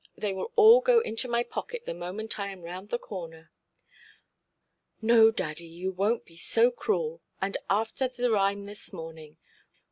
They will all go into my pocket the moment I am round the corner". "No, daddy, you wonʼt be so cruel. And after the rime this morning!